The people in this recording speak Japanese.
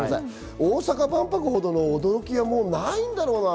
大阪万博ほどの驚きはもうないんだろうな。